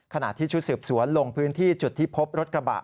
ขณะที่ชุดสืบสวนลงพื้นที่จุดที่พบรถกระบะ